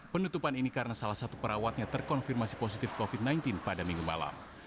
penutupan ini karena salah satu perawatnya terkonfirmasi positif covid sembilan belas pada minggu malam